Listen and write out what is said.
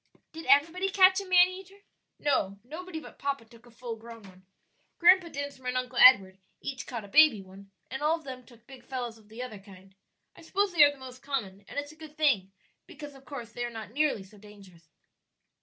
"Did everybody catch a man eater?" "No; nobody but papa took a full grown one. Grandpa Dinsmore and Uncle Edward each caught a baby one, and all of them took big fellows of the other kind. I suppose they are the most common, and it's a good thing, because of course they are not nearly so dangerous."